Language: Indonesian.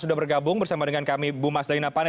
sudah bergabung bersama dengan kami bu mas dalina pane